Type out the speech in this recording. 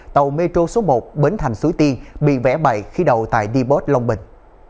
tàu metro số một bến thành súi tiên bị vẽ bậy khi đầu tại d bus long bình